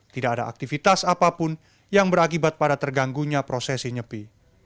tidak ada aktivitas apapun yang berakibat pada terganggunya prosesi nyepi